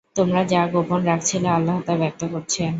তোমরা যা গোপন রাখছিলে, আল্লাহ্ তা ব্যক্ত করছেন।